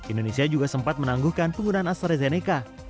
indonesia juga sempat menangguhkan penggunaan astrazeneca